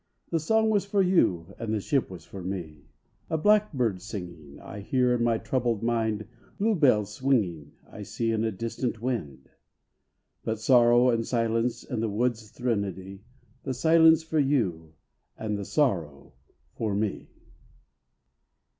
The song was for you And the ship was for me. A blackbird singing I hear in my troubled mind. Bluebells swinging I see in a distant wind. 198 TO ONE DEAD 199 But sorrow and silence Are the wood's threnody, The silence for you And the sorrow for me.